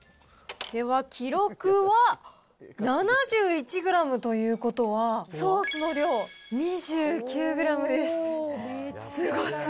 では記録は７１グラムということは、ソースの量、２９グラムです。